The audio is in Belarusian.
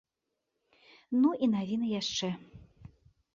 Ну і навіны яшчэ.